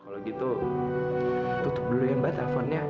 kalau gitu tutup dulu ya mbak teleponnya